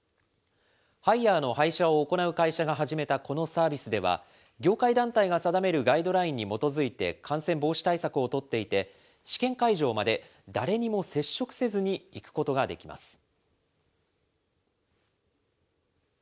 ハイヤーの配車を行う会社が始めたこのサービスでは、業界団体が定めるガイドラインに基づいて感染防止対策を取っていて、試験会場まで誰にも接触せずに行くことができます。